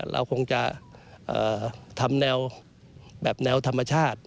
เราคงจะทำแนวแบบแนวธรรมชาติ